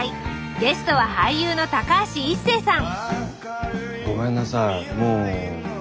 ゲストは俳優の高橋一生さん